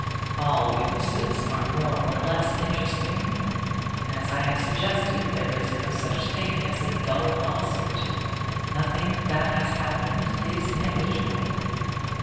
All witnesses are more or less interesting. As I have suggested, there is no such thing as a dull law suit. Nothing that has happened is negligible.